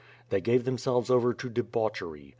They gave themselves over to de bauchery.